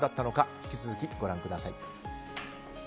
引き続き、ご覧ください。